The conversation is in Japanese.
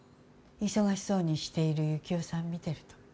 忙しそうにしている幸男さん見てると。